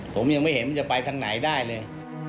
ผมยังไม่เห็นมันจะไปทางไหนได้เลย